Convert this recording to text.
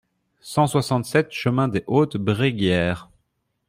cent soixante-sept chemin des Hautes Bréguières